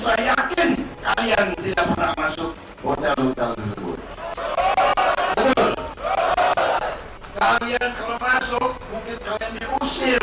kalian kalau masuk mungkin kalian diusir